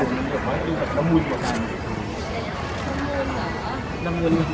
พวกนั้นผู้ดูมาเยอะมากนั่งท่านเรียน